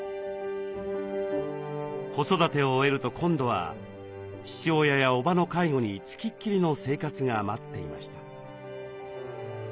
子育てを終えると今度は父親やおばの介護に付きっきりの生活が待っていました。